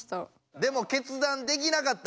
でも決断できなかった。